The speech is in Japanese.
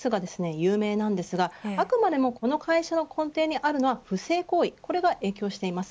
有名ですがあくまでもこの会社の根底にあるのは不正行為これが影響しています。